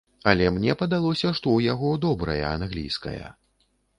Але мне падалося, што ў яго добрая англійская.